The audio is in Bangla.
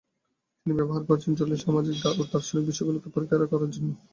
তিনি ব্যবহার করেছেন জটিল সামাজিক ও দার্শনিক বিষয়গুলিকে পরীক্ষা করার জন্য।